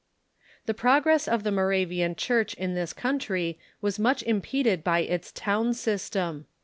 The progress of the Moravian Church in this country was much impeded by its town system.